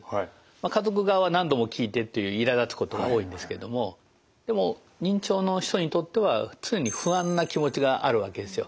家族側は何度も聞いてっていういらだつことが多いんですけどもでも認知症の人にとっては常に不安な気持ちがあるわけですよ。